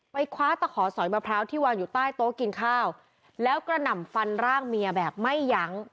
คว้าตะขอสอยมะพร้าวที่วางอยู่ใต้โต๊ะกินข้าวแล้วกระหน่ำฟันร่างเมียแบบไม่ยั้ง